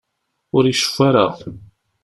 Ur iceffu ara.